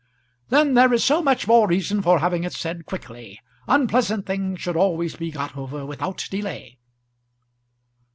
"Then there is so much more reason for having it said quickly. Unpleasant things should always be got over without delay."